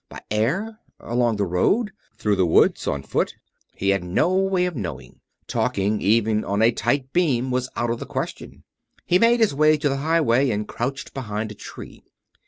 By air? Along the road? Through the woods on foot? He had no way of knowing talking, even on a tight beam, was out of the question. He made his way to the highway and crouched behind a tree.